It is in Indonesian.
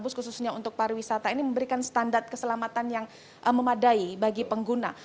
bus khususnya untuk pariwisata ini memberikan standar keselamatan yang memadai bagi pengguna